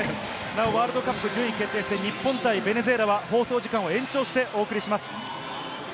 ワールドカップ順位決定戦、日本対ベネズエラは放送時間を延長してお送りします。